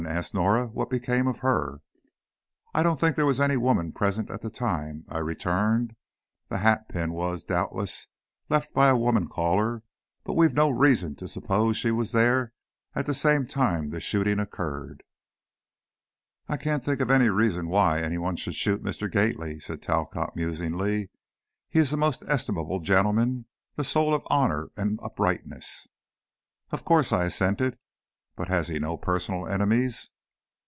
asked Norah, "what became of her?" "I don't think there was any woman present at that time," I returned. "The hatpin was, doubtless, left by a woman caller, but we've no reason to suppose she was there at the same time the shooting occurred." "I can't think of any reason why anyone should shoot Mr. Gately," said Talcott, musingly. "He is a most estimable gentleman, the soul of honor and uprightness." "Of course," I assented; "but has he no personal enemies?"